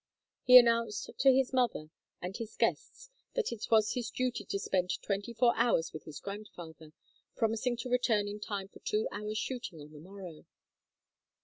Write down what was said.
He announced to his mother and his guests that it was his duty to spend twenty four hours with his grandfather, promising to return in time for two hours' shooting on the morrow.